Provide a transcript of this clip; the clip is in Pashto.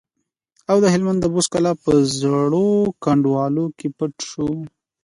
او د هلمند د بست کلا په زړو کنډوالو کې پټ شو.